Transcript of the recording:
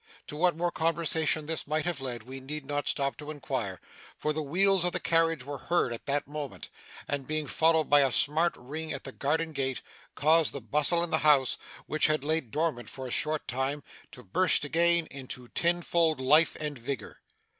To what more conversation this might have led, we need not stop to inquire; for the wheels of the carriage were heard at that moment, and, being followed by a smart ring at the garden gate, caused the bustle in the house, which had laid dormant for a short time, to burst again into tenfold life and vigour.